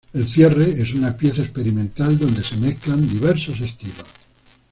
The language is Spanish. El cierre es una pieza experimental donde se mezclan diversos estilos.